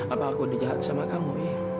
apa aku dijahat sama kamu